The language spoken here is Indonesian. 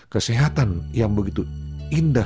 kesehatan yang begitu indah